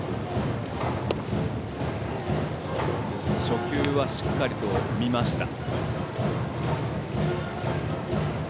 初球はしっかりと見ました。